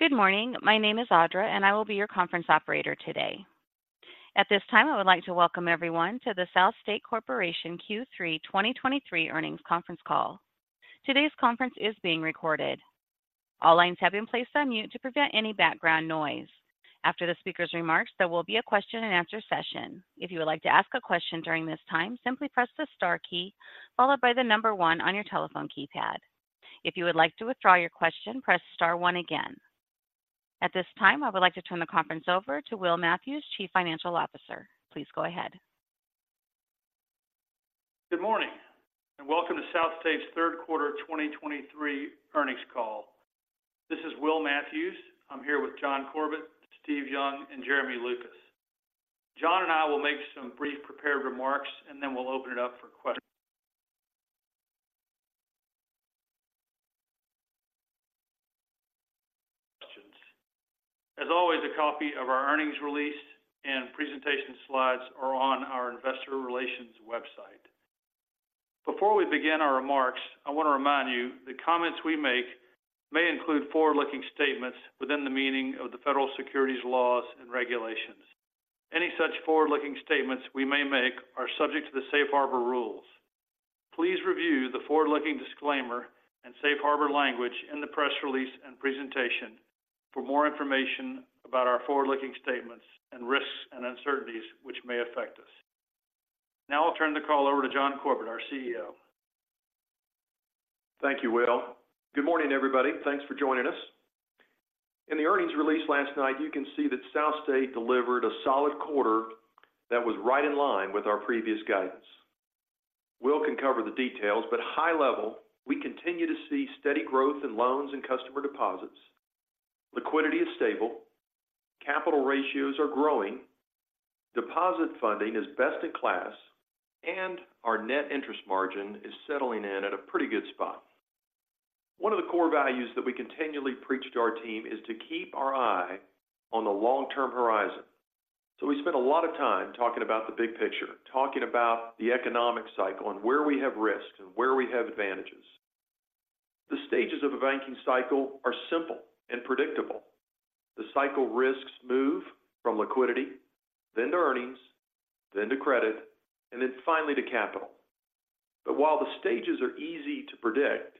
Good morning. My name is Audra, and I will be your conference operator today. At this time, I would like to welcome everyone to the SouthState Corporation Q3 2023 Earnings Conference Call. Today's conference is being recorded. All lines have been placed on mute to prevent any background noise. After the speaker's remarks, there will be a question and answer session. If you would like to ask a question during this time, simply press the star key followed by the number one on your telephone keypad. If you would like to withdraw your question, press star one again. At this time, I would like to turn the conference over to William Matthews, Chief Financial Officer. Please go ahead. Good morning, and welcome to SouthState's third quarter 2023 earnings call. This is William Matthews. I'm here with John Corbett, Steve Young, and Jeremy Lucas. John and I will make some brief prepared remarks, and then we'll open it up for questions. As always, a copy of our earnings release and presentation slides are on our investor relations website. Before we begin our remarks, I want to remind you, the comments we make may include forward-looking statements within the meaning of the federal securities laws and regulations. Any such forward-looking statements we may make are subject to the Safe Harbor rules. Please review the forward-looking disclaimer and Safe Harbor language in the press release and presentation for more information about our forward-looking statements and risks and uncertainties which may affect us. Now I'll turn the call over to John Corbett, our CEO. Thank you, Will. Good morning, everybody, and thanks for joining us. In the earnings release last night, you can see that SouthState delivered a solid quarter that was right in line with our previous guidance. Will can cover the details, but high level, we continue to see steady growth in loans and customer deposits. Liquidity is stable, capital ratios are growing, deposit funding is best in class, and our net interest margin is settling in at a pretty good spot. One of the core values that we continually preach to our team is to keep our eye on the long-term horizon. So we spend a lot of time talking about the big picture, talking about the economic cycle and where we have risks and where we have advantages. The stages of a banking cycle are simple and predictable. The cycle risks move from liquidity, then to earnings, then to credit, and then finally to capital. But while the stages are easy to predict,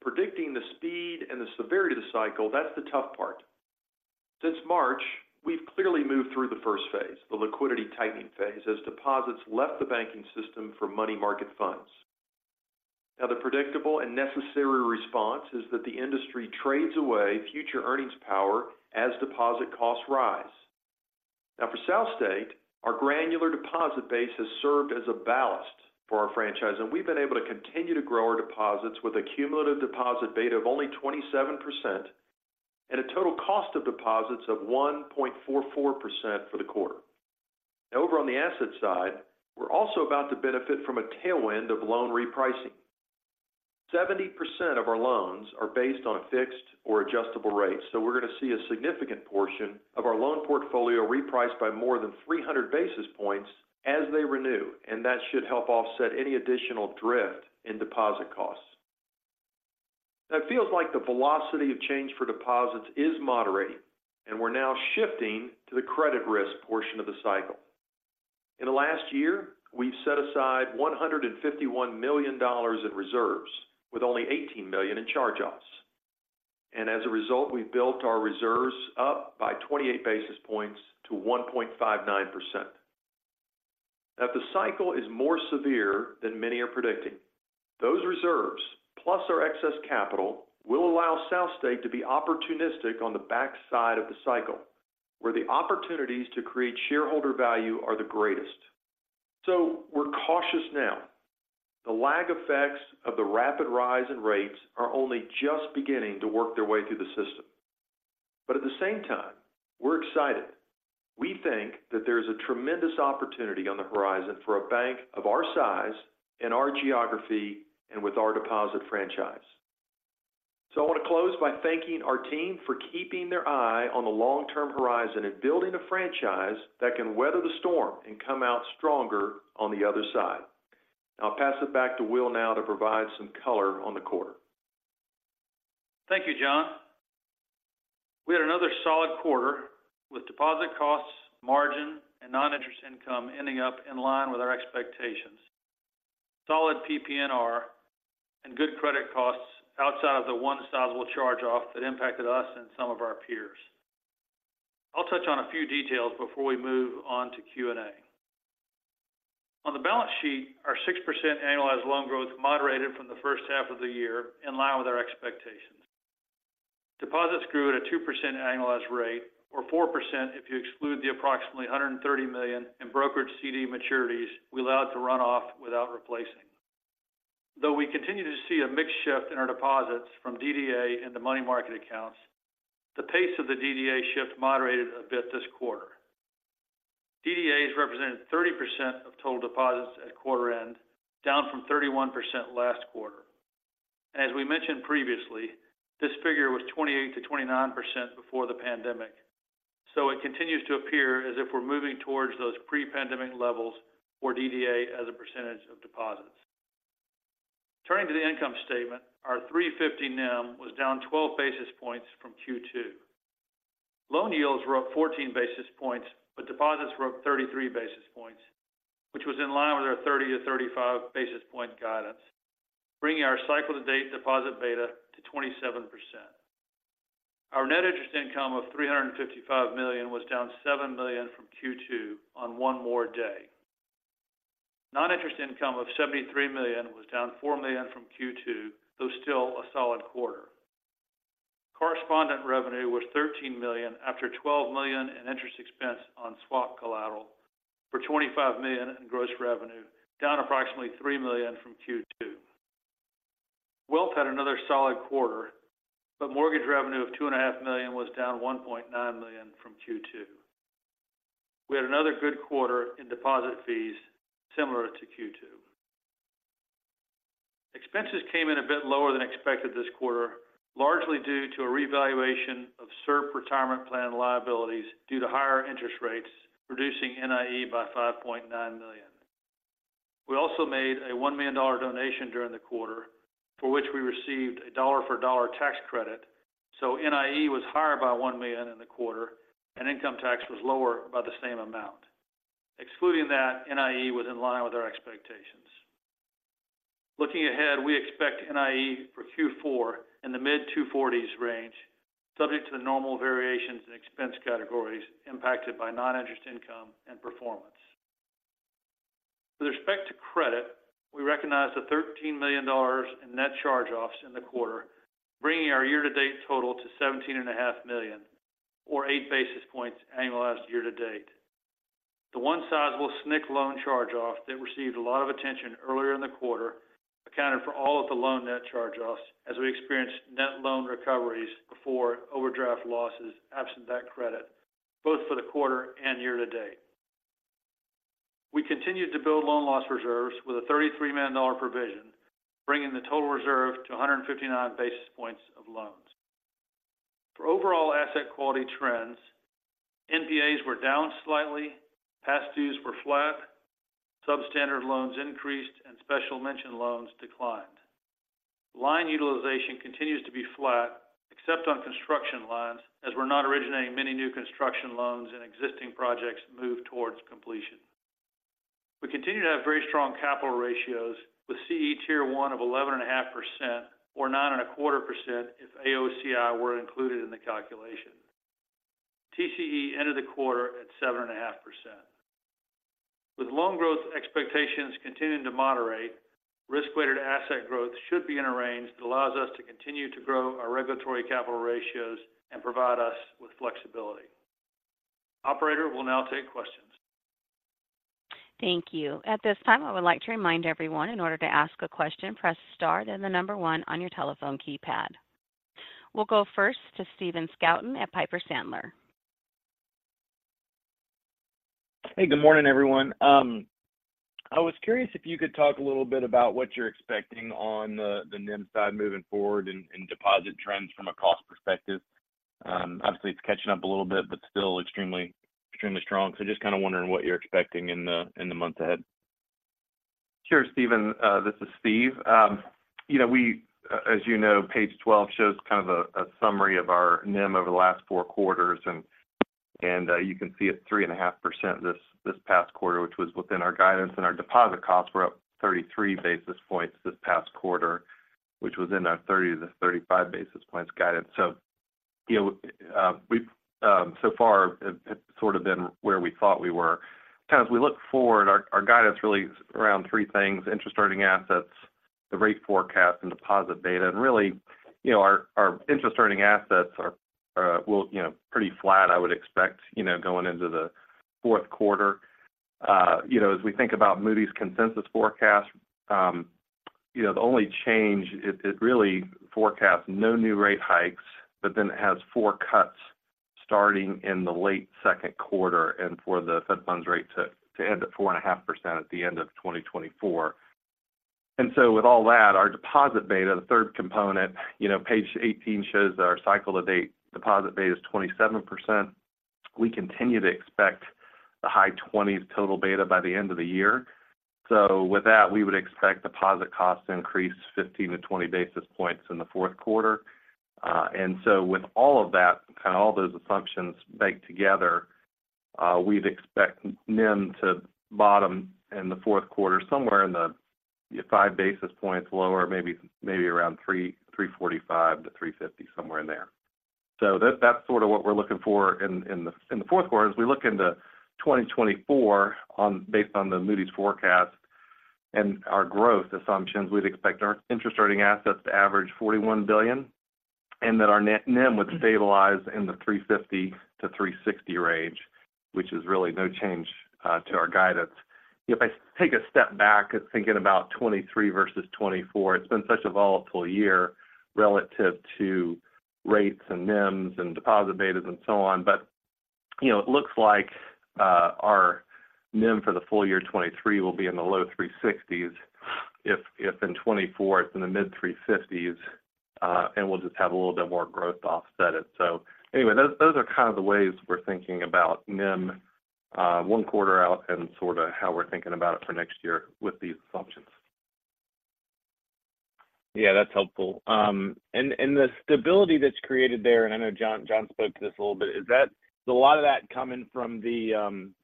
predicting the speed and the severity of the cycle, that's the tough part. Since March, we've clearly moved through the first phase, the liquidity tightening phase, as deposits left the banking system for money market funds. Now, the predictable and necessary response is that the industry trades away future earnings power as deposit costs rise. Now, for SouthState, our granular deposit base has served as a ballast for our franchise, and we've been able to continue to grow our deposits with a cumulative deposit beta of only 27% and a total cost of deposits of 1.44% for the quarter. Now, over on the asset side, we're also about to benefit from a tailwind of loan repricing. 70% of our loans are based on fixed or adjustable rates, so we're going to see a significant portion of our loan portfolio repriced by more than 300 basis points as they renew, and that should help offset any additional drift in deposit costs. It feels like the velocity of change for deposits is moderating, and we're now shifting to the credit risk portion of the cycle. In the last year, we've set aside $151 million in reserves, with only $18 million in charge-offs. And as a result, we've built our reserves up by 28 basis points to 1.59%. If the cycle is more severe than many are predicting, those reserves, plus our excess capital, will allow SouthState to be opportunistic on the backside of the cycle, where the opportunities to create shareholder value are the greatest. So we're cautious now. The lag effects of the rapid rise in rates are only just beginning to work their way through the system. But at the same time, we're excited. We think that there's a tremendous opportunity on the horizon for a bank of our size and our geography and with our deposit franchise. So I want to close by thanking our team for keeping their eye on the long-term horizon and building a franchise that can weather the storm and come out stronger on the other side. I'll pass it back to Will now to provide some color on the quarter. Thank you, John. We had another solid quarter with deposit costs, margin, and non-interest income ending up in line with our expectations. Solid PPNR and good credit costs outside of the one sizable charge-off that impacted us and some of our peers. I'll touch on a few details before we move on to Q&A. On the balance sheet, our 6% annualized loan growth moderated from the first half of the year in line with our expectations. Deposits grew at a 2% annualized rate, or 4% if you exclude the approximately $130 million in brokered CD maturities we allowed to run off without replacing. Though we continue to see a mixed shift in our deposits from DDA into money market accounts, the pace of the DDA shift moderated a bit this quarter. DDAs represented 30% of total deposits at quarter end, down from 31% last quarter. As we mentioned previously, this figure was 28%-29% before the pandemic, so it continues to appear as if we're moving towards those pre-pandemic levels for DDA as a percentage of deposits... Turning to the income statement, our 3.50% NIM was down 12 basis points from Q2. Loan yields were up 14 basis points, but deposits were up 33 basis points, which was in line with our 30-35 basis point guidance, bringing our cycle to date deposit beta to 27%. Our net interest income of $355 million was down $7 million from Q2 on one more day. Non-interest income of $73 million was down $4 million from Q2, though still a solid quarter. Correspondent revenue was $13 million after $12 million in interest expense on swap collateral for $25 million in gross revenue, down approximately $3 million from Q2. Wealth had another solid quarter, but mortgage revenue of $2.5 million was down $1.9 million from Q2. We had another good quarter in deposit fees similar to Q2. Expenses came in a bit lower than expected this quarter, largely due to a revaluation of SERP retirement plan liabilities due to higher interest rates, reducing NIE by $5.9 million. We also made a $1 million donation during the quarter, for which we received a dollar for dollar tax credit. So NIE was higher by $1 million in the quarter, and income tax was lower by the same amount. Excluding that, NIE was in line with our expectations. Looking ahead, we expect NIE for Q4 in the mid-240s range, subject to the normal variations in expense categories impacted by non-interest income and performance. With respect to credit, we recognized the $13 million in net charge-offs in the quarter, bringing our year-to-date total to $17.5 million, or 8 basis points annualized year-to-date. The one sizable SNC loan charge-off that received a lot of attention earlier in the quarter accounted for all of the loan net charge-offs, as we experienced net loan recoveries before overdraft losses, absent that credit, both for the quarter and year-to-date. We continued to build loan loss reserves with a $33 million provision, bringing the total reserve to 159 basis points of loans. For overall asset quality trends, NPAs were down slightly, past dues were flat, substandard loans increased, and special mention loans declined. Line utilization continues to be flat, except on construction lines, as we're not originating many new construction loans and existing projects move towards completion. We continue to have very strong capital ratios with CET1 of 11.5%, or 9.25% if AOCI were included in the calculation. TCE ended the quarter at 7.5%. With loan growth expectations continuing to moderate, risk-weighted asset growth should be in a range that allows us to continue to grow our regulatory capital ratios and provide us with flexibility. Operator, we'll now take questions. Thank you. At this time, I would like to remind everyone in order to ask a question, press star, and the number one on your telephone keypad. We'll go first toSteven Scouten at Piper Sandler. Hey, good morning, everyone. I was curious if you could talk a little bit about what you're expecting on the NIM side moving forward and deposit trends from a cost perspective. Obviously, it's catching up a little bit, but still extremely, extremely strong. So just kind of wondering what you're expecting in the months ahead. Sure, Steven, this is Steve. You know, we, as you know, page 12 shows kind of a summary of our NIM over the last four quarters, and you can see it 3.5% this past quarter, which was within our guidance, and our deposit costs were up 33 basis points this past quarter, which was in our 30-35 basis points guidance. You know, we've, so far, it sort of been where we thought we were. Kind of as we look forward, our guidance really is around three things: interest earning assets, the rate forecast, and deposit beta. And really, you know, our interest earning assets are, well, you know, pretty flat, I would expect, you know, going into the fourth quarter. You know, as we think about Moody's consensus forecast, the only change is it really forecasts no new rate hikes, but then it has four cuts starting in the late second quarter and for the Fed funds rate to end at 4.5% at the end of 2024. So with all that, our deposit beta, the third component, you know, page 18 shows that our cycle to date deposit beta is 27%. We continue to expect the high 20s total beta by the end of the year. So with that, we would expect deposit costs to increase 15 basis points-20 basis points in the fourth quarter. And so with all of that, kind of all those assumptions baked together, we'd expect NIM to bottom in the fourth quarter, somewhere in the 5 basis points lower, maybe, maybe around 3.45%-3.50%, somewhere in there. So that's sort of what we're looking for in the fourth quarter. As we look into 2024 based on the Moody's forecast and our growth assumptions, we'd expect our interest earning assets to average $41 billion, and that our net NIM would stabilize in the 3.50%-3.60% range, which is really no change to our guidance. If I take a step back and thinking about 2023 versus 2024, it's been such a volatile year relative to rates and NIMs and deposit betas and so on. But, you know, it looks like our NIM for the full year 2023 will be in the low 3.60s, if in 2024 it's in the mid 3.50s, and we'll just have a little bit more growth to offset it. So anyway, those are kind of the ways we're thinking about NIM-... one quarter out and sort of how we're thinking about it for next year with these assumptions. Yeah, that's helpful. And, and the stability that's created there, and I know John, John spoke to this a little bit, is that- is a lot of that coming from the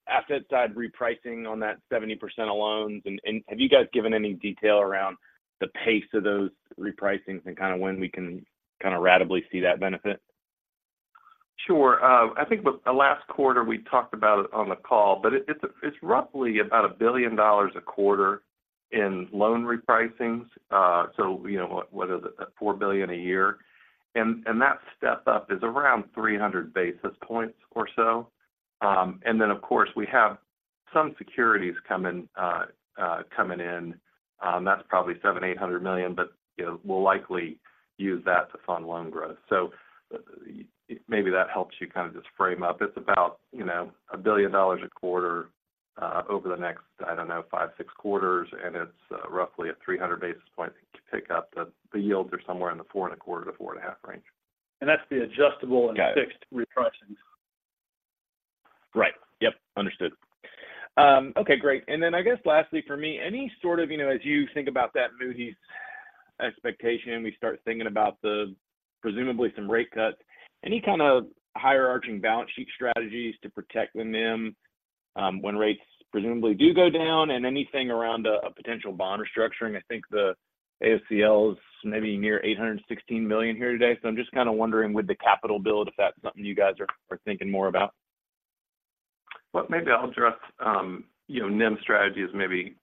asset side repricing on that 70% of loans? And, and have you guys given any detail around the pace of those repricings and kind of when we can kind of ratably see that benefit? Sure. I think with the last quarter, we talked about it on the call, but it's roughly about $1 billion a quarter in loan repricings. So you know, four billion a year, and that step up is around 300 basis points or so. And then, of course, we have some securities coming in, that's probably $700-$800 million, but, you know, we'll likely use that to fund loan growth. So maybe that helps you kind of just frame up. It's about, you know, $1 billion a quarter over the next, I don't know, 5-6 quarters, and it's roughly a 300 basis point pick up. The yields are somewhere in the 4.25%-4.5% range. That's the adjustable- Got it and fixed repricings. Right. Yep, understood. Okay, great. And then I guess lastly for me, any sort of, you know, as you think about that Moody's expectation, we start thinking about the presumably some rate cuts, any kind of higher arching balance sheet strategies to protect the NIM, when rates presumably do go down, and anything around a, a potential bond restructuring? I think the AOCI is maybe near $816 million here today. So I'm just kind of wondering, with the capital build, if that's something you guys are, are thinking more about. Well, maybe I'll address, you know, NIM strategies. Maybe,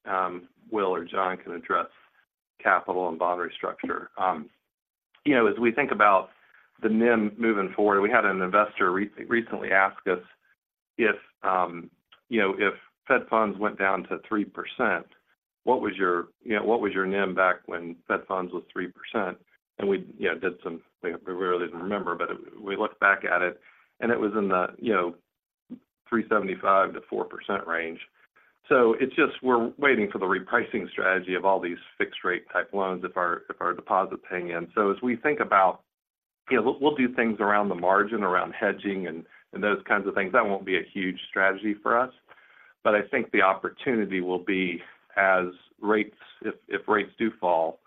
Will or John can address capital and bond restructure. You know, as we think about the NIM moving forward, we had an investor recently ask us if, you know, "If Fed Funds went down to 3%, what was your... you know, what was your NIM back when Fed Funds was 3%?" And we, you know, we really didn't remember, but we looked back at it, and it was in the, you know, 3.75%-4% range. So it's just we're waiting for the repricing strategy of all these fixed-rate type loans if our, if our deposits paying in. So as we think about, you know, we'll, we'll do things around the margin, around hedging and, and those kinds of things. That won't be a huge strategy for us, but I think the opportunity will be as rates, if rates do fall,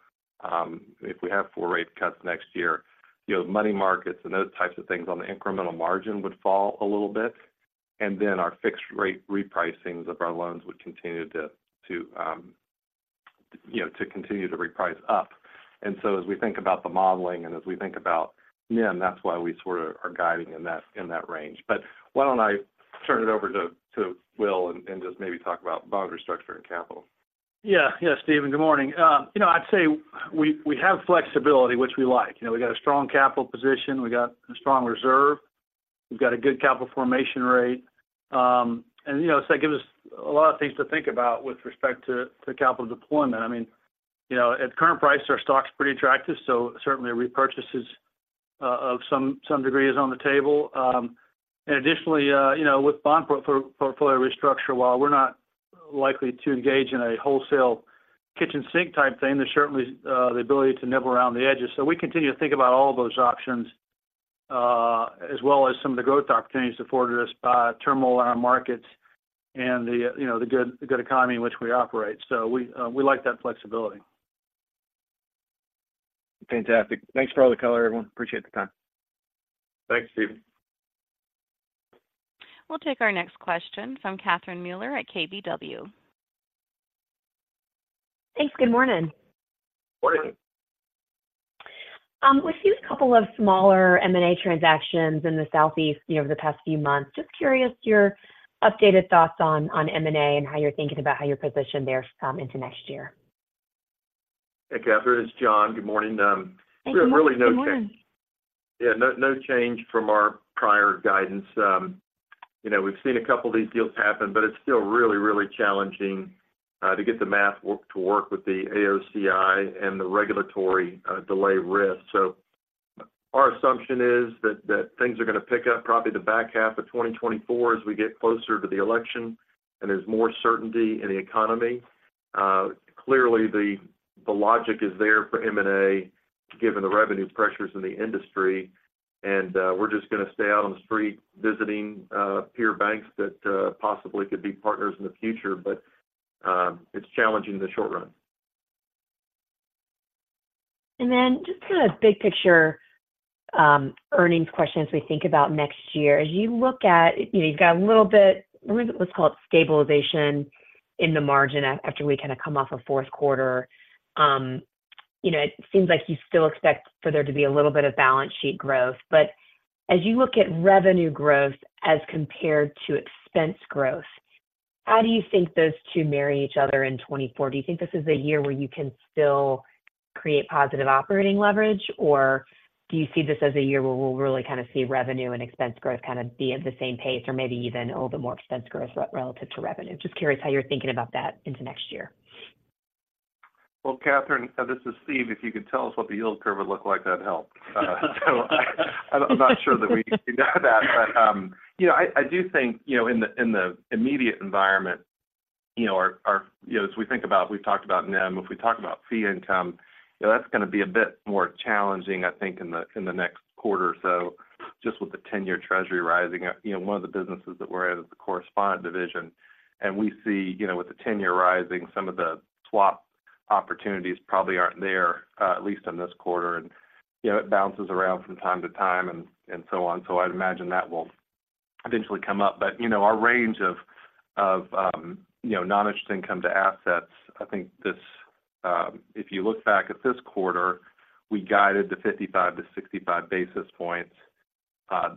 if we have four rate cuts next year, you know, money markets and those types of things on the incremental margin would fall a little bit, and then our fixed-rate repricings of our loans would continue to, you know, to continue to reprice up. And so as we think about the modeling and as we think about NIM, that's why we sort of are guiding in that, in that range. But why don't I turn it over to Will, and just maybe talk about bond restructure and capital? Yeah. Yeah, Steven, good morning. You know, I'd say we, we have flexibility, which we like. You know, we got a strong capital position, we got a strong reserve, we've got a good capital formation rate. And, you know, so that gives us a lot of things to think about with respect to, to capital deployment. I mean, you know, at current price, our stock's pretty attractive, so certainly repurchases of some, some degree is on the table. And additionally, you know, with bond portfolio restructure, while we're not likely to engage in a wholesale kitchen sink type thing, there's certainly the ability to nibble around the edges. So we continue to think about all those options, as well as some of the growth opportunities afforded us by turmoil in our markets and the, you know, the good economy in which we operate. So we like that flexibility. Fantastic. Thanks for all the color, everyone. Appreciate the time. Thanks, Steven. We'll take our next question from Catherine Mealor at KBW. Thanks. Good morning. Morning. We've seen a couple of smaller M&A transactions in the Southeast, you know, over the past few months. Just curious, your updated thoughts on M&A and how you're thinking about how you're positioned there, into next year? Hey, Katherine, it's John. Good morning. Good morning, good morning. Really no change. Yeah, no, no change from our prior guidance. You know, we've seen a couple of these deals happen, but it's still really, really challenging to get the math to work with the AOCI and the regulatory delay risk. So our assumption is that things are going to pick up probably the back half of 2024 as we get closer to the election and there's more certainty in the economy. Clearly, the logic is there for M&A, given the revenue pressures in the industry, and we're just going to stay out on the street visiting peer banks that possibly could be partners in the future. But it's challenging in the short run. And then just kind of big-picture earnings question as we think about next year. As you look at... you know, you've got a little bit, let's call it stabilization in the margin after we kind of come off a fourth quarter. You know, it seems like you still expect for there to be a little bit of balance sheet growth, but as you look at revenue growth as compared to expense growth, how do you think those two marry each other in 2024? Do you think this is a year where you can still create positive operating leverage, or do you see this as a year where we'll really kind of see revenue and expense growth kind of be at the same pace or maybe even a little bit more expense growth relative to revenue? Just curious how you're thinking about that into next year. Well, Katherine, this is Steve. If you could tell us what the yield curve would look like, that'd help. So I'm not sure that we know that, but, you know, I do think, you know, in the immediate environment you know, our you know, as we think about, we've talked about NIM, if we talk about fee income, you know, that's going to be a bit more challenging, I think, in the next quarter or so, just with the 10-year Treasury rising. You know, one of the businesses that we're in is the correspondent division, and we see, you know, with the 10-year rising, some of the swap opportunities probably aren't there, at least in this quarter. And, you know, it bounces around from time to time and so on. So I'd imagine that will eventually come up. But, you know, our range of, you know, non-interest income to assets, I think this, if you look back at this quarter, we guided to 55-65 basis points.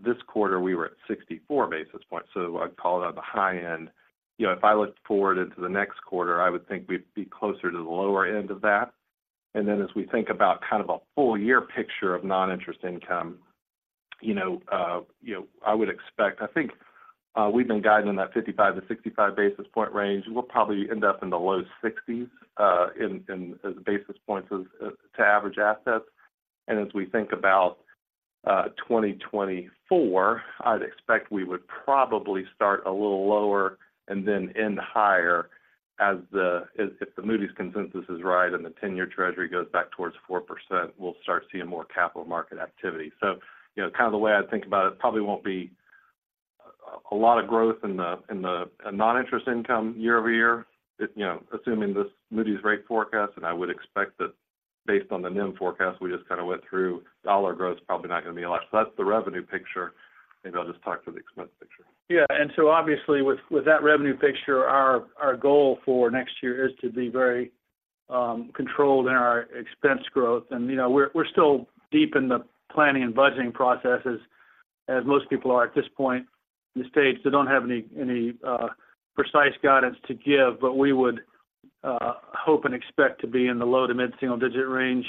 This quarter, we were at 64 basis points, so I'd call it on the high end. You know, if I looked forward into the next quarter, I would think we'd be closer to the lower end of that. And then, as we think about kind of a full year picture of non-interest income, you know, you know, I would expect—I think, we've been guiding in that 55-65 basis point range. We'll probably end up in the low 60s, in, as basis points of, to average assets. As we think about 2024, I'd expect we would probably start a little lower and then end higher as the... if, if the Moody's consensus is right, and the ten-year treasury goes back towards 4%, we'll start seeing more capital market activity. So, you know, kind of the way I think about it, probably won't be a lot of growth in the non-interest income year-over-year. It, you know, assuming this Moody's rate forecast, and I would expect that based on the NIM forecast we just kind of went through, dollar growth is probably not going to be a lot. So that's the revenue picture. Maybe I'll just talk to the expense picture. Yeah, and so obviously, with that revenue picture, our goal for next year is to be very controlled in our expense growth. And, you know, we're still deep in the planning and budgeting processes, as most people are at this point in the stage. So don't have any precise guidance to give, but we would hope and expect to be in the low to mid-single digit range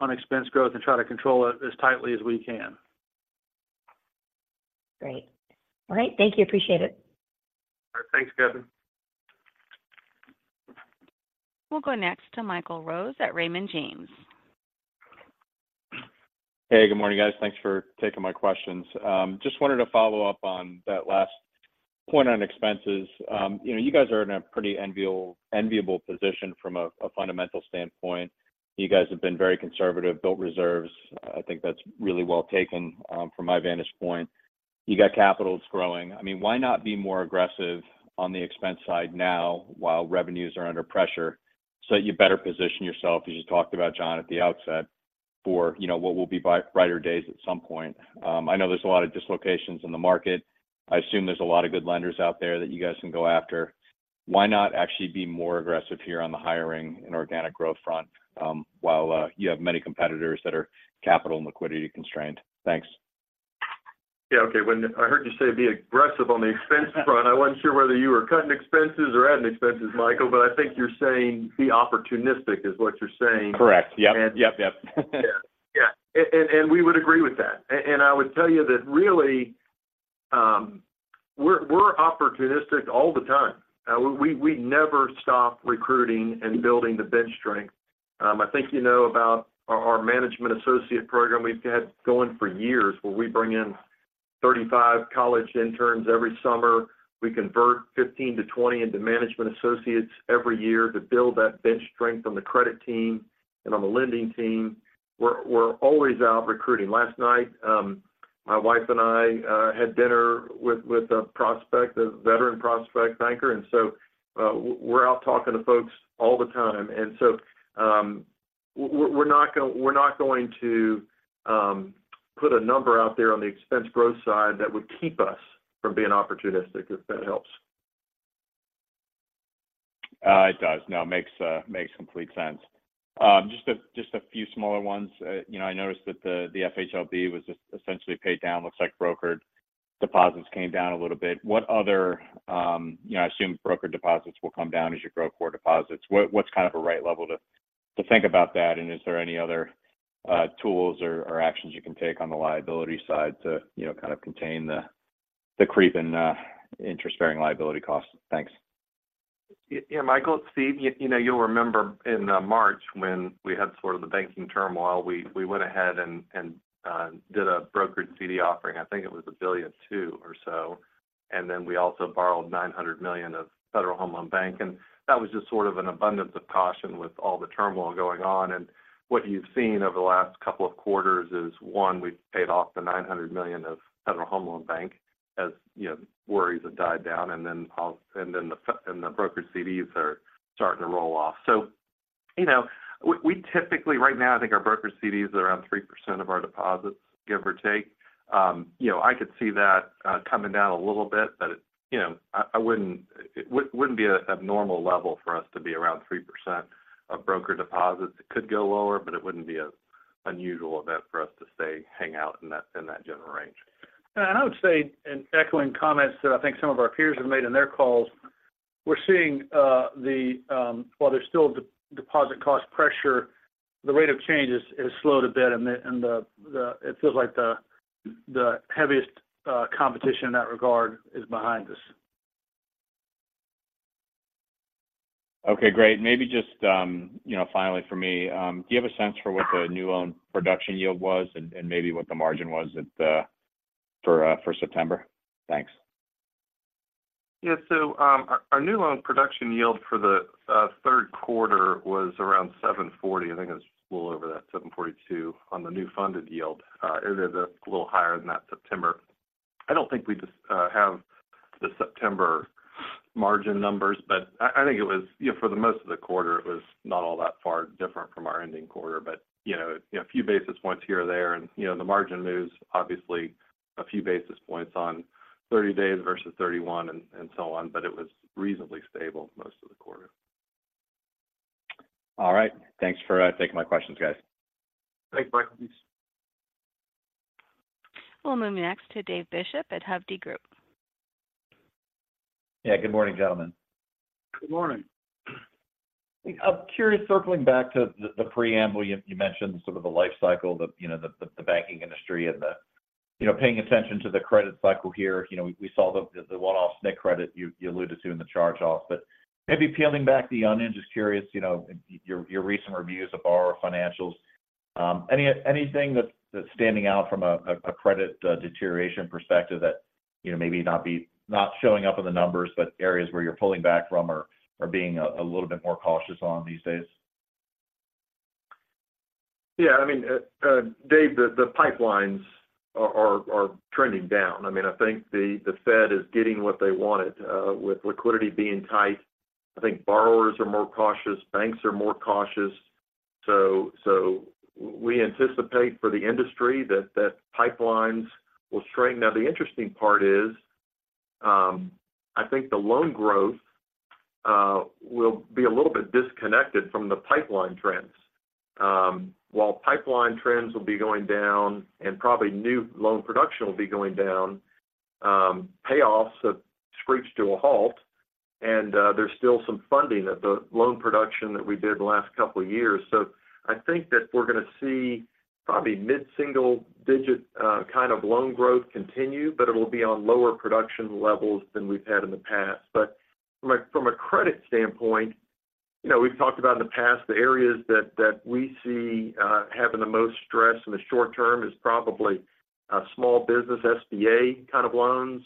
on expense growth and try to control it as tightly as we can. Great. All right. Thank you. Appreciate it. All right, thanks, Katherine. We'll go next to Michael Rose at Raymond James. Hey, good morning, guys. Thanks for taking my questions. Just wanted to follow up on that last point on expenses. You know, you guys are in a pretty enviable, enviable position from a fundamental standpoint. You guys have been very conservative, built reserves. I think that's really well taken from my vantage point. You got capitals growing. I mean, why not be more aggressive on the expense side now while revenues are under pressure, so that you better position yourself, as you talked about, John, at the outset, for what will be bright, brighter days at some point? I know there's a lot of dislocations in the market. I assume there's a lot of good lenders out there that you guys can go after. Why not actually be more aggressive here on the hiring and organic growth front, while you have many competitors that are capital and liquidity constrained? Thanks. Yeah, okay. When I heard you say be aggressive on the expense front, I wasn't sure whether you were cutting expenses or adding expenses, Michael, but I think you're saying be opportunistic is what you're saying. Correct. Yep. And- Yep, yep. Yeah. Yeah. And we would agree with that. And I would tell you that really, we're opportunistic all the time. We never stop recruiting and building the bench strength. I think you know about our management associate program we've had going for years, where we bring in 35 college interns every summer. We convert 15-20 into management associates every year to build that bench strength on the credit team and on the lending team. We're always out recruiting. Last night, my wife and I had dinner with a prospect, a veteran prospect banker, and so, we're out talking to folks all the time. And so, we're not going to put a number out there on the expense growth side that would keep us from being opportunistic, if that helps. It does. No, makes, makes complete sense. Just a, just a few smaller ones. You know, I noticed that the, the FHLB was just essentially paid down. Looks like brokered deposits came down a little bit. What other, you know, I assume brokered deposits will come down as you grow core deposits. What, what's kind of a right level to, to think about that? And is there any other, tools or, or actions you can take on the liability side to, you know, kind of contain the, the creep in, interest-bearing liability costs? Thanks. Yeah, Michael, it's Steve. You know, you'll remember in March, when we had sort of the banking turmoil, we went ahead and did a brokered CD offering. I think it was $1.2 billion or so, and then we also borrowed $900 million from the Federal Home Loan Bank, and that was just sort of an abundance of caution with all the turmoil going on. And what you've seen over the last couple of quarters is, one, we've paid off the $900 million from the Federal Home Loan Bank, as you know, worries have died down, and then and the brokered CDs are starting to roll off. So, you know, we typically, right now, I think our brokered CDs are around 3% of our deposits, give or take. You know, I could see that coming down a little bit, but, you know, I wouldn't – it wouldn't be an abnormal level for us to be around 3% of brokered deposits. It could go lower, but it wouldn't be an unusual event for us to stay, hang out in that, in that general range. I would say, in echoing comments that I think some of our peers have made in their calls, we're seeing while there's still deposit cost pressure, the rate of change has slowed a bit, and it feels like the heaviest competition in that regard is behind us. ... Okay, great. Maybe just, you know, finally for me, do you have a sense for what the new loan production yield was and maybe what the margin was for September? Thanks. Yeah. So, our new loan production yield for the third quarter was around 7.40. I think it was a little over that, 7.42, on the new funded yield. It is a little higher than that, September. I don't think we just have the September margin numbers, but I think it was, you know, for the most of the quarter, it was not all that far different from our ending quarter. But, you know, a few basis points here or there and, you know, the margin moves, obviously a few basis points on 30 days versus 31 and so on, but it was reasonably stable most of the quarter. All right. Thanks for taking my questions, guys. Thanks, Mike. We'll move next to Dave Bishop at Hovde Group. Yeah. Good morning, gentlemen. Good morning. I'm curious, circling back to the preamble. You mentioned sort of the life cycle, you know, the banking industry and you know, paying attention to the credit cycle here. You know, we saw the one-off SNC credit you alluded to in the charge-off. But maybe peeling back the onion, just curious, you know, your recent reviews of borrower financials, anything that's standing out from a credit deterioration perspective that, you know, maybe not showing up in the numbers, but areas where you're pulling back from or being a little bit more cautious on these days? Yeah, I mean, Dave, the pipelines are trending down. I mean, I think the Fed is getting what they wanted. With liquidity being tight, I think borrowers are more cautious, banks are more cautious. So we anticipate for the industry that pipelines will shrink. Now, the interesting part is, I think the loan growth will be a little bit disconnected from the pipeline trends. While pipeline trends will be going down and probably new loan production will be going down, payoffs have screeched to a halt, and there's still some funding of the loan production that we did the last couple of years. So I think that we're going to see probably mid-single digit kind of loan growth continue, but it will be on lower production levels than we've had in the past. But from a credit standpoint, you know, we've talked about in the past, the areas that we see having the most stress in the short term is probably small business SBA kind of loans,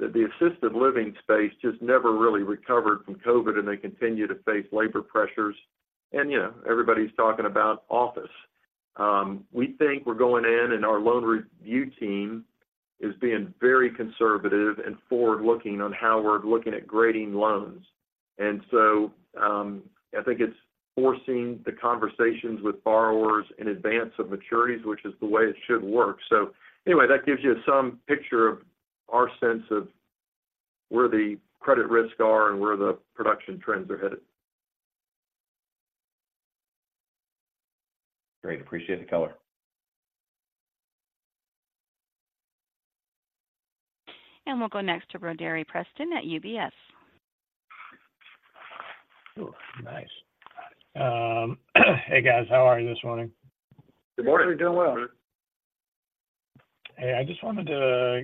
that the assisted living space just never really recovered from COVID, and they continue to face labor pressures. And, you know, everybody's talking about office. We think we're going in and our loan review team is being very conservative and forward-looking on how we're looking at grading loans. And so, I think it's forcing the conversations with borrowers in advance of maturities, which is the way it should work. So anyway, that gives you some picture of our sense of where the credit risks are and where the production trends are headed. Great. Appreciate the color. We'll go next to Brody Preston at UBS. Oh, nice. Hey, guys. How are you this morning? Good morning. We're doing well. Hey, I just wanted to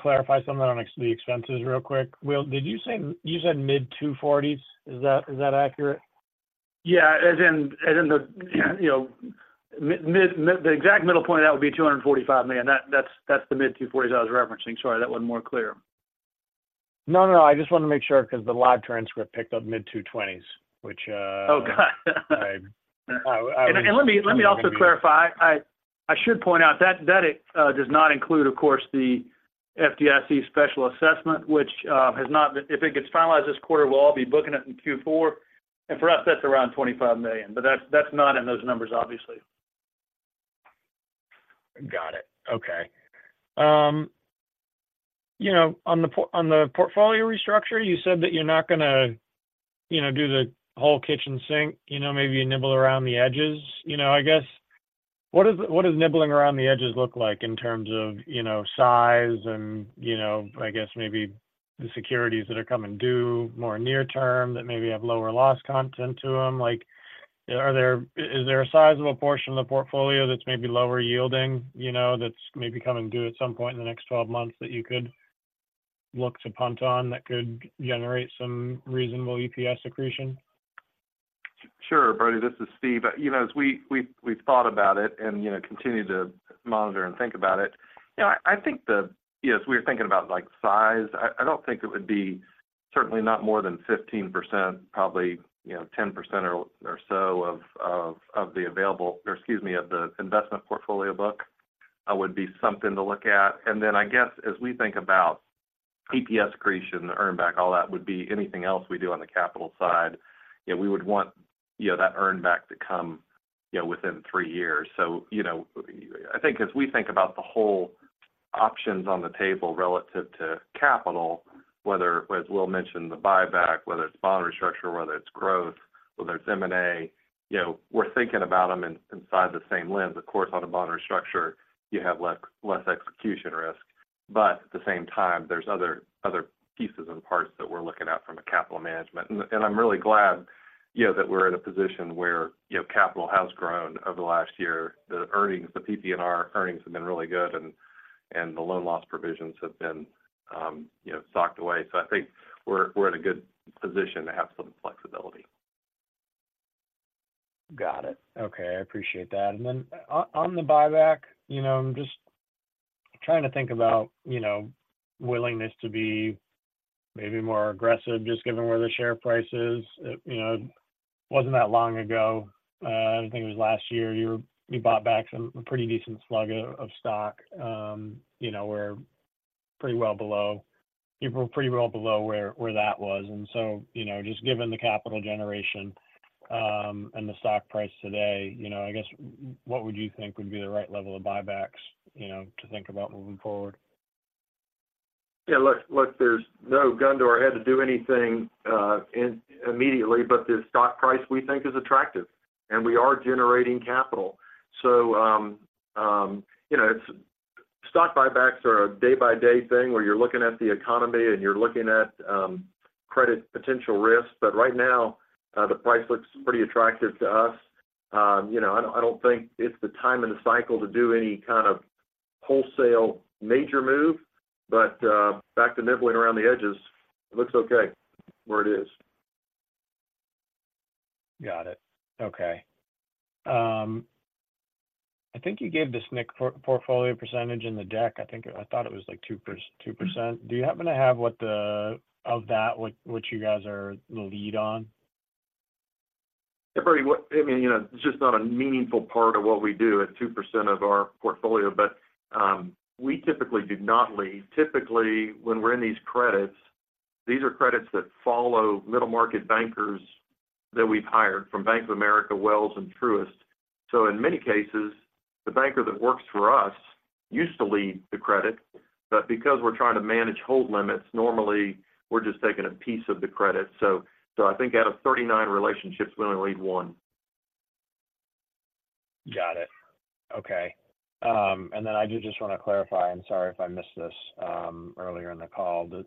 clarify something on the expenses real quick. Will, did you say—you said mid-240s? Is that accurate? Yeah, as in the, you know, mid. The exact middle point of that would be $245 million. That's the mid-$240s I was referencing. Sorry, that wasn't more clear. No, no, I just want to make sure, because the live transcript picked up mid-20s, which, Oh, got it. Okay. Let me also clarify. I should point out that that does not include, of course, the FDIC special assessment, which has not been—if it gets finalized this quarter, we'll all be booking it in Q4. For us, that's around $25 million, but that's not in those numbers, obviously. Got it. Okay. You know, on the portfolio restructure, you said that you're not going to, you know, do the whole kitchen sink. You know, maybe nibble around the edges. You know, I guess what does nibbling around the edges look like in terms of, you know, size and, you know, I guess maybe the securities that are coming due more near term, that maybe have lower loss content to them? Like, is there a sizable portion of the portfolio that's maybe lower yielding, you know, that's maybe coming due at some point in the next 12 months, that you could look to punt on, that could generate some reasonable EPS accretion? Sure, Brody, this is Steve. You know, as we've thought about it and, you know, continue to monitor and think about it. You know, I think the, yes, we're thinking about, like, size. I don't think it would be certainly not more than 15%, probably, you know, 10% or so of the available, or excuse me, of the investment portfolio book would be something to look at. And then I guess, as we think about EPS accretion, the earn back, all that would be anything else we do on the capital side. Yeah, we would want, you know, that earn back to come, you know, within 3 years. So, you know, I think as we think about the whole options on the table relative to capital, whether, as Will mentioned, the buyback, whether it's bond restructure, whether it's growth, whether it's M&A, you know, we're thinking about them inside the same lens. Of course, on a bond restructure, you have less execution risk. But at the same time, there's other pieces and parts that we're looking at from a capital management. And I'm really glad, you know, that we're in a position where, you know, capital has grown over the last year. The earnings, the PPNR earnings have been really good, and the loan loss provisions have been, you know, socked away. So I think we're in a good position to have some flexibility. Got it. Okay, I appreciate that. And then on the buyback, you know, I'm just trying to think about, you know, willingness to be maybe more aggressive, just given where the share price is. It, you know, wasn't that long ago, I think it was last year, you bought back some, a pretty decent slug of stock. You know, we're pretty well below—you're pretty well below where, where that was. And so, you know, just given the capital generation, and the stock price today, you know, I guess what would you think would be the right level of buybacks, you know, to think about moving forward? Yeah, look, look, there's no gun to our head to do anything immediately, but the stock price, we think, is attractive, and we are generating capital. So, you know, stock buybacks are a day-by-day thing, where you're looking at the economy, and you're looking at credit potential risks. But right now, the price looks pretty attractive to us. You know, I don't, I don't think it's the time in the cycle to do any kind of wholesale major move, but back to nibbling around the edges, looks okay where it is. Got it. Okay. I think you gave the SNC portfolio percentage in the deck. I think it, I thought it was, like, 2%. Do you happen to have what of that, what you guys are the lead on? Yeah, Brody, what-- I mean, you know, it's just not a meaningful part of what we do at 2% of our portfolio. But, we typically do not lead. Typically, when we're in these credits, these are credits that follow middle-market bankers that we've hired from Bank of America, Wells, and Truist. So in many cases, the banker that works for us used to lead the credit, but because we're trying to manage hold limits, normally we're just taking a piece of the credit. So, so I think out of 39 relationships, we only lead one. Got it. Okay. And then I did just want to clarify, and sorry if I missed this, earlier in the call, but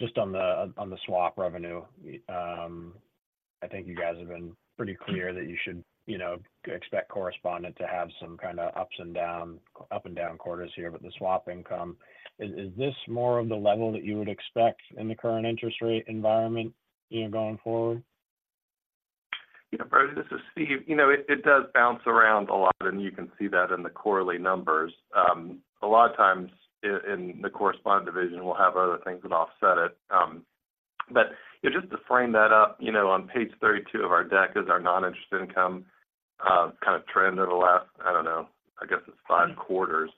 just on the, on the swap revenue. I think you guys have been pretty clear that you should, you know, expect correspondent to have some kind of up-and-down quarters here with the swap income. Is, is this more of the level that you would expect in the current interest rate environment, you know, going forward? Yeah, Brody, this is Steve. You know, it does bounce around a lot, and you can see that in the quarterly numbers. A lot of times, in the corresponding division, we'll have other things that offset it. But just to frame that up, you know, on page 32 of our deck is our non-interest income, kind of trend over the last, I don't know, I guess it's 5 quarters.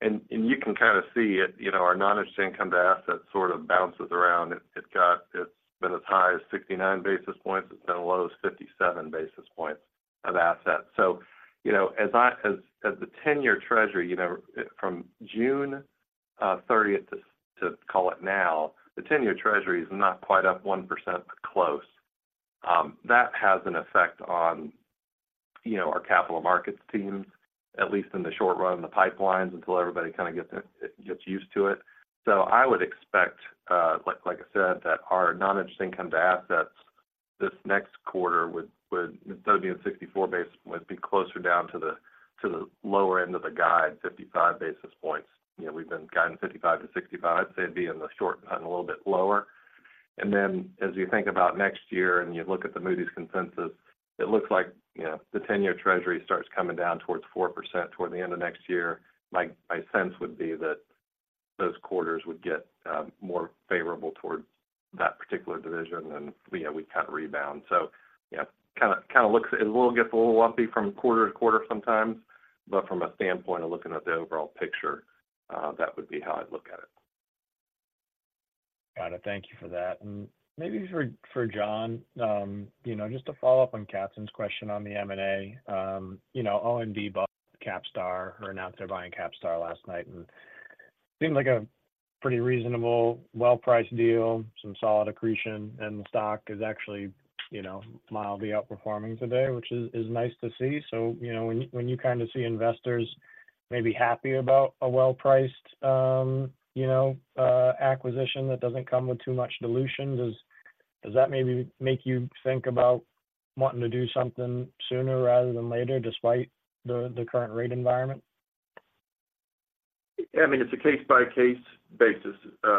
And you can kind of see it, you know, our non-interest income to assets sort of bounces around. It's been as high as 69 basis points. It's been as low as 57 basis points of assets. So, you know, as the 10-year treasury, you know, from June thirtieth to now, the 10-year treasury is not quite up 1%, but close. That has an effect on, you know, our capital markets team, at least in the short run, the pipelines, until everybody kind of gets used to it. So I would expect, like, like I said, that our non-interest income to assets this next quarter would, instead of being 64 basis, would be closer down to the, to the lower end of the guide, 55 basis points. You know, we've been guiding 55 to 65. I'd say it'd be in the short run, a little bit lower. And then, as you think about next year and you look at the Moody's consensus, it looks like, you know, the 10-year treasury starts coming down towards 4% toward the end of next year. My sense would be that those quarters would get more favorable towards that particular division, and, you know, we kind of rebound. So, yeah, kind of, kind of looks... It will get a little lumpy from quarter to quarter sometimes, but from a standpoint of looking at the overall picture, that would be how I'd look at it. Got it. Thank you for that. Maybe for, for John, you know, just to follow up on Catherine's question on the M&A. You know, ONB bought CapStar, or announced they're buying CapStar last night, and seemed like a pretty reasonable, well-priced deal, some solid accretion, and the stock is actually, you know, mildly outperforming today, which is nice to see. So, you know, when you, when you kind of see investors maybe happy about a well-priced, you know, acquisition that doesn't come with too much dilution, does that maybe make you think about wanting to do something sooner rather than later, despite the current rate environment? I mean, it's a case-by-case basis,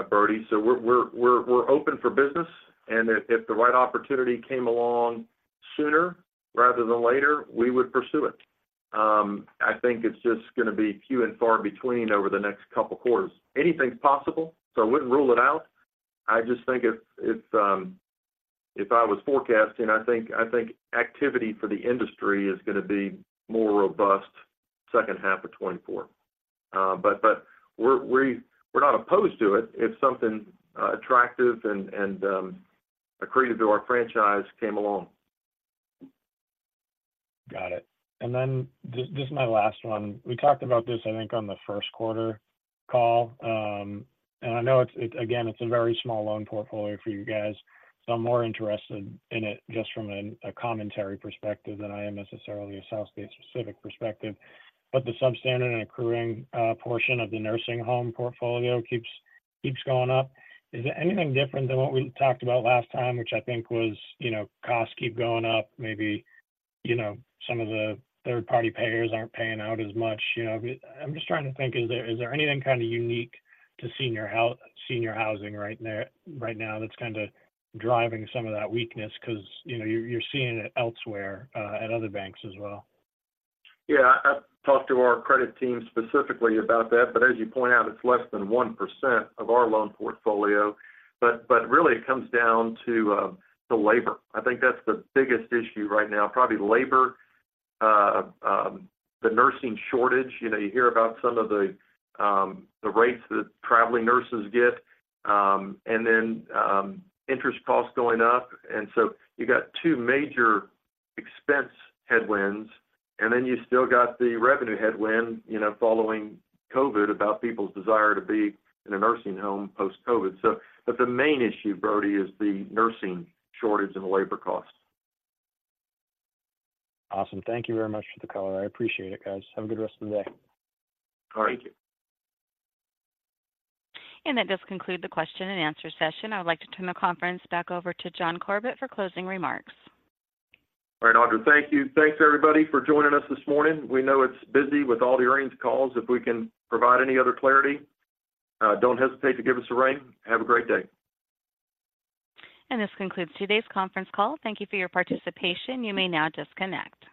Brody. So we're open for business, and if the right opportunity came along sooner rather than later, we would pursue it. I think it's just going to be few and far between over the next couple quarters. Anything's possible, so I wouldn't rule it out. I just think if I was forecasting, I think activity for the industry is going to be more robust second half of 2024. But we're not opposed to it if something attractive and accretive to our franchise came along. Got it. And then this, this is my last one. We talked about this, I think, on the first quarter call, and I know it's, it's—again, it's a very small loan portfolio for you guys, so I'm more interested in it just from a, a commentary perspective than I am necessarily a sales-specific perspective. But the substandard and accruing portion of the nursing home portfolio keeps going up. Is it anything different than what we talked about last time, which I think was, you know, costs keep going up? Maybe, you know, some of the third-party payers aren't paying out as much. You know, I'm just trying to think, is there, is there anything kind of unique to senior housing right there, right now, that's kind of driving some of that weakness? Because, you know, you're seeing it elsewhere, at other banks as well. Yeah. I, I talked to our credit team specifically about that, but as you point out, it's less than 1% of our loan portfolio. But, but really it comes down to labor. I think that's the biggest issue right now, probably labor, the nursing shortage. You know, you hear about some of the rates that traveling nurses get, and then interest costs going up. And so you got two major expense headwinds, and then you still got the revenue headwind, you know, following COVID about people's desire to be in a nursing home post-COVID. So, but the main issue, Brody, is the nursing shortage and the labor costs. Awesome. Thank you very much for the call. I appreciate it, guys. Have a good rest of the day. All right. Thank you. That does conclude the question and answer session. I would like to turn the conference back over to John Corbett for closing remarks. All right, Audrey, thank you. Thanks, everybody, for joining us this morning. We know it's busy with all the earnings calls. If we can provide any other clarity, don't hesitate to give us a ring. Have a great day. This concludes today's conference call. Thank you for your participation. You may now disconnect.